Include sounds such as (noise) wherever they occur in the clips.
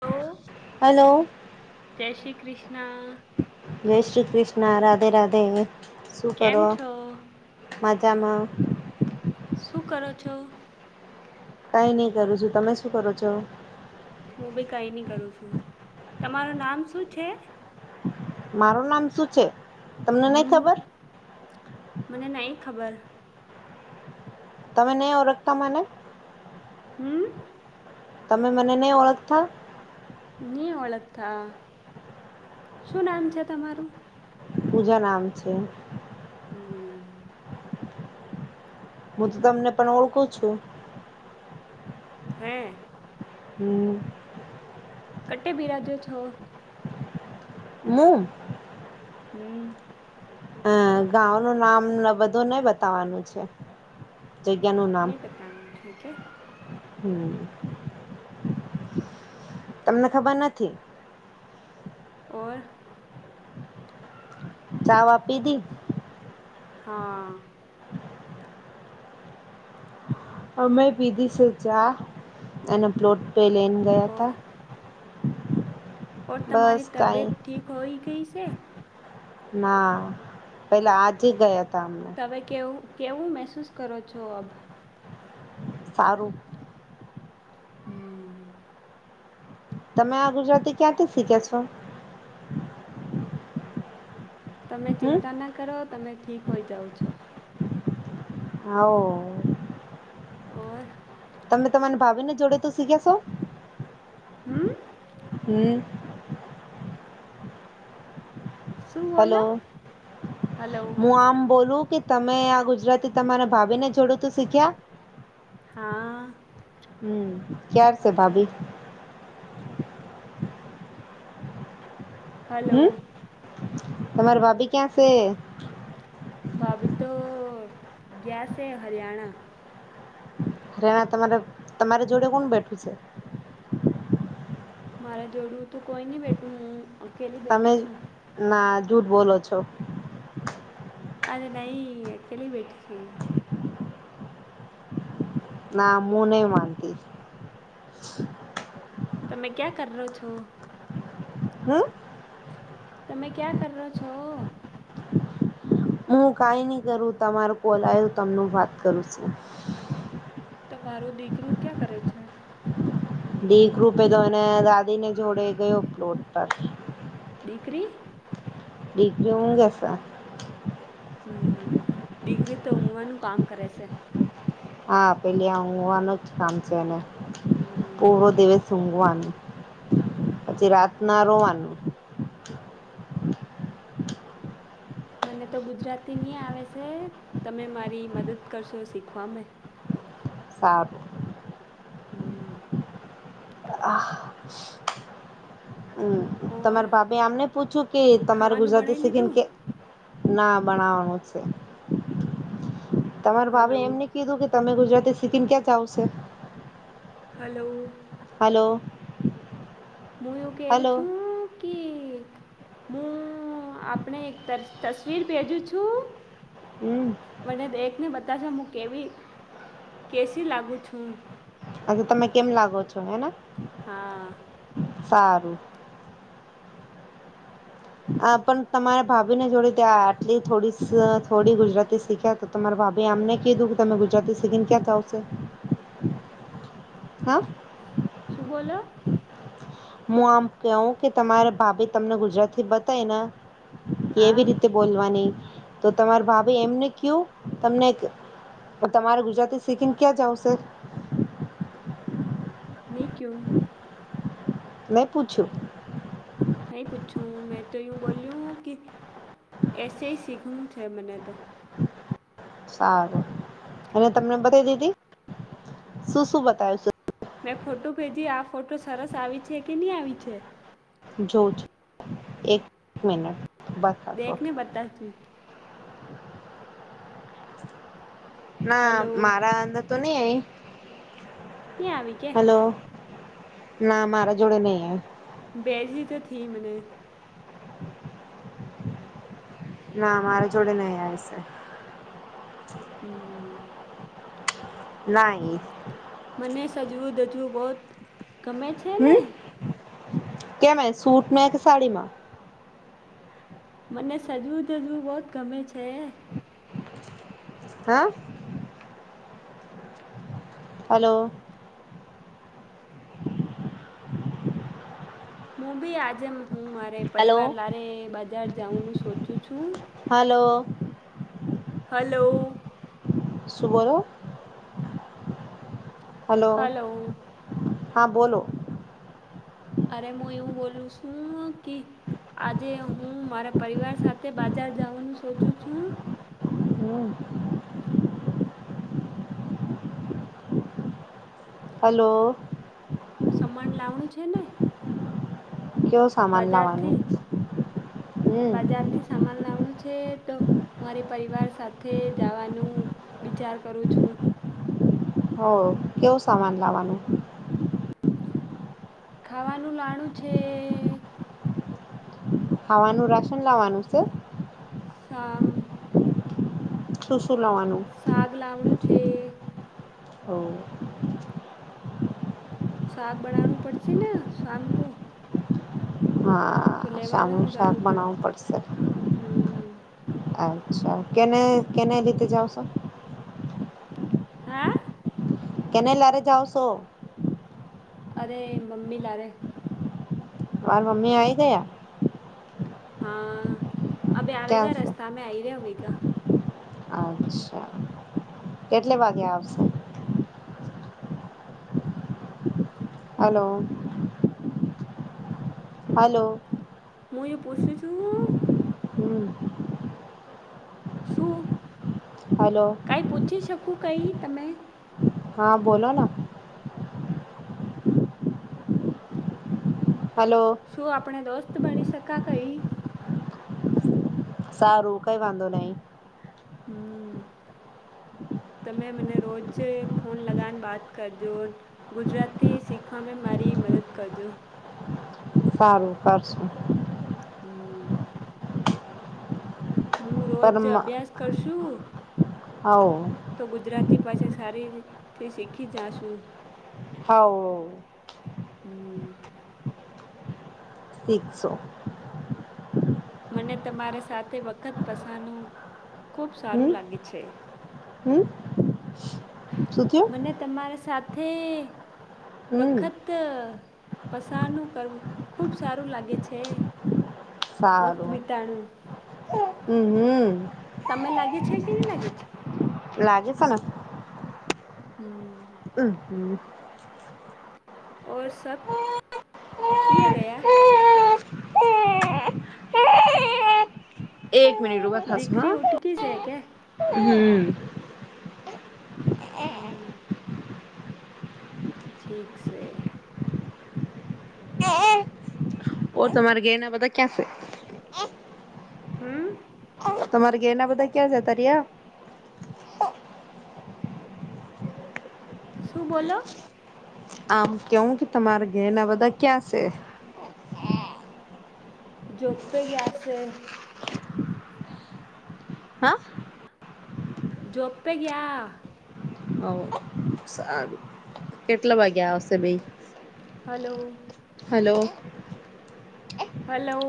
Hello, hello જય શ્રી કૃષ્ણ જય શ્રી કૃષ્ણ રાધે રાધે, કેમ શુંકરો છો મા જામ શું કરો છો? કઈ નહી, કરું છું, તમે શું કરો છો? હું બી કંઈ નહીં કરું છુ, તમારું નામ શું છે? મારું નામ શું છે, તમને નઈ હમ ખબર મને નહી, ખબર તમે નહી, ઓળખતા મને હમ્મ તમે મને નહી, ઓળખતા ની ઓળખતા શું નામ છે, તમારું પૂજા નામ છે. હમ્મ. હું, તો તમને પણ ઓળખું છું. હે હમ્મ કટે, બિરાજો છો મુ હમ્મ હા ગાં, ન નામ બધું નઈ બતાવાનું છે. જગ્યાનું નામ નં, પતા હ થક હમ, તમને ખબર નથી. ઓર ચા આપી હતીી. હા (inaudible) હ મેં બીદી સ જા અને પ્લોટ, પે લેન ગયા થ હ ઓઔર તમારી, તબિયત ઠીક હોઈ ગઈ સે ના પેલા આજ ગયા તા અમને તમે કેવું કેવું મહેસૂસ કરો છો, અબ સારું હમ તમે આ ગુજરાતી ક્યાંથી, શીખ્યા છો? તમે હમ ચિંતા ના કરો, તમે ઠીક હોય, જાાવ છો હાઓ ઓર તમે તમારી ભાભીને જોડે, તો શીખ્યા છો. હમ્મ. હમ શું બોલો હેલો, હલો મુઆમ બોલું કે. તમે આ ગુજરાતી તમારા ભાભી ને જોડું તું શીખ્યા હા હમ ક્યાર છે, ભાભી. હલો તમાર ભાભી ક્યાં છે. ભાભી, તો ગયાસે હરિયાણા. રેણા તમારે તમારી જોડે કોણ બેઠું છે. મારા જોડું તોું કોઈ નહી, બેઠું હું અકેલી તમે બેઠી છું. ના જૂઠ, બોલોલો છો. અ નૈ કળવેટ સુંળ ના મૂને માંતી. તમે ક્યા કરો છો. હમ્મ તમે ક્યાં કરો છો. હું કઈ નહી, કરું તમારું કોલ આવ તમનું વાત કરું છું. તમારું દીકરું ક્યાં કરે છે. દીક રૂપે, તો એને દાદી ને જોડે ગયો પલોટ દીકરી ડિગ્રંગ ગસ આ હમ, દીકરી તો ઊઘવાનું કામ કરે છે. હા, પેલી આ ઊંઘવાનું જ કામ છે, એને પૂરો દિવસ ઊંઘવાનું પછી રાત ના રોવાનું (inaudible) મને તો ગુજરાતીની આવે છે, તમે મારી મદદ કરશો શીખવા મે હ સાત હમ આ હા હમ, ઓર તમારા ભાપે આમને પૂછ્યું, કે તમારે ખાવાનું ગુજરાતી બનાવી શીખીને લીધું કે ના બનાવાનું છે. તમારા ભપે હલો એમને કીધું, કે તમે ગુજરાતી સિક્કિમ ક્યાં જાવશે હલો હલો મ કે હલો છું, કે હુ, આપણે એક તસવીર ભેજું છું. હમ મને, દેખ ન બ કાચ હુ, કેવી કેસી લાગુ છું. અચછા, તમે કેમ લાગો છો? હેના હા સારુ આ પણ તમારે ભાવી, ને જોડી ત આટલી થોડી થોડી ગુજરાતી શીખ્યા, તો તમારા વાભે આમને કીધુ કે તમે ગુજરાતી સિગિંગ ક્યાં જ આવશે (unintelligible) હા શું બોલો હુ, આમ કહુ, કે તમારા ભાભી તમને ગુજરાતી બતાય ને કે, હા એવી રીતે બોલવા નહી, તો તમાર ભાભે એમને કયુ તમને તમારે ગુજરાતી, સીિંગ ક્યાં જાવ સર નનીક્ય્યું મેં પૂછ્યું નહી પૂછું, મેં તો યું બોલીું કે એસે હ સીખવું છે, મને તો સારુ, અને તમને બતા દીધી શું શું બતાવ છે. મેં ફોટો ભેજી્યું આ ફોટો સરસ આવી છે, કે નહી આવી છે. જોજ, એક મિનટ બરખફો દેખને બતાવતી ના હલો મારા અંદર, તો નઈ, અહી ની આવી કે ના મારા જોડે નહી, હ. બેજી, તો થી મને. ના મારા જોડે નહી, આવે છે. હમ. ના, આયી. મને સજવું દજવું બહુત ગમે, છેને કેમે સૂટમા, કે સાડીમા. મને સજવુ ધજવુ બહત, ગમે છે. હા હલો. મુુ બી આજે હુ મારે હલો પરિવાર લારે બજાર જવુંનું સોચું છું. હલો. સુબરો. હલો. હા, બોલો. અરે હુ, એવું બોલું છુ, ક આજે હુ, મારા પરિવાર સાથે બાજાર જવાનું સોચું છું. હમ. હલો. સમાન લાવણું છેને. કેવો સામાન બજારથી, લાવવાનું હમ બજારથી સામાન લાવણું છે. છે, તો મારે પરિવાર સાથે જવાનું વિચાર કરું છું. (unintelligible) હો, કેવું સામાન લાવવાનું ખાવાનુ લાણુ છે. હાવાનુ, રાશન લાવવાનું છે. આમ શું, શું લવાનું? લાવણું છે હ. શાક, બનાવવું પડશે ને શામ કો. તો હા, લેવાનું શામનું શાક જાણવું બનાવવું પડશે હમ એમ. અ્છા કેને, કેને લીધે જાવ, સો હે કેને લારે, જાઓ છો? અરે મમ્મી, લારે. તમારા, મમ્મી આવી ગયા. હા, અભ ક્યાં આવેગા છે રસ્તા મે આઈ, રહ્યાવેગા. અચ્છા કેટલે વાગે આવશે? હલો. હલો. મ, એ પછું છું. હમ્મ શું હલો કઈ પૂછી શકું કઈ, તમે. હા બોલો ના. હલો શું આપણે દોસ્ત, બની શકા કઈ? સારું કઈ, વાંધો નહી. હમ્મ તમે મને રોજેય ફોન લગાવને, બાત કરજો ગુજરાતી શીખવામે મારી રી મદદ કરજો. સારું, કરશું. હમ હુ, રોજ પરમ અભ્યાસ કરશું હો તો ગુજરાતી પાસે સારીથી, શીખી જાશુ હવ હમ સીખશો મને તમારે સાથે, વખત પસાનું ખૂબ સારું લાગે છે. હમ્મ મને તમાર સાથે, હમ વખત પસારનું કરવું ખૂબ સારું લાગે છે. વક્ત સારું બિતાણું હમ હમ તમે લાગે છે. કે નહી લાગે છે? લાગેસ ન. હમ. ઉમ હુ. ઔર, સબ કિયે ગયા? એક મિનિટ ઊભા થસ હા, દીકરી ઉટકી છે કે હમ્મ હમ. ઠીક સે. ઓ તમારે, ગેયના બધા ક્યાં સે? હમ્મ તમારે ઘેના બધા ક્યાં જતા રયા? શું બોલો? આમ કેવું કે તમારે ઘે ના બધા ક્યાં સે? જોબપે ગયાસે. હા જોબપે, ગયા. હ સારું કેટલા, વાગ્યા આવશે બેય? Hello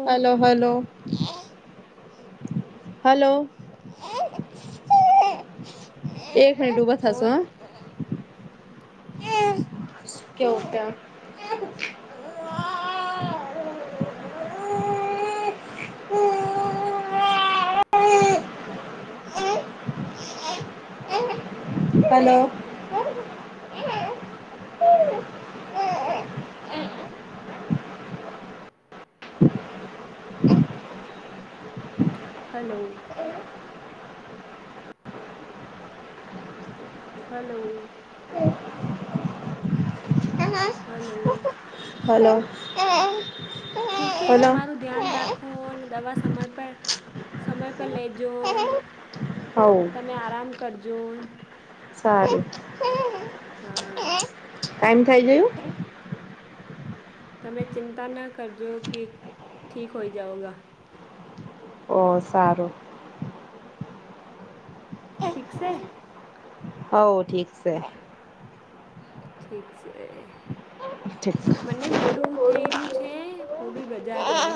hello, hello. હલો. એક મિનીટ ઉભા થશો, ઓર હ. શક્યો ઉઠા hello. Hello. Hello. Hello. Hello. ઠીકે હલો તમારું ધ્યાન રાખો અને દવા સ સમય પર સમય પર લેજોન હવ તમે આરામ કર જોન. સારૂ. હા. ટાઈમ થઇ ગયું? તમે ચિંતા ના કરજો કે ઠીક હોય જાવેગા. ઓ સારું. ઠીક સે? હવ ઠીક સે. ઠીક છે ઠીક મને મોડું થઈ રહ્યું છે. એ હું બી છે બજાર જાઉ.